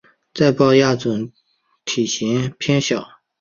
在豹亚种里体型偏小。